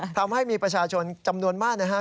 ทำให้มีประชาชนจำนวนมากนะครับ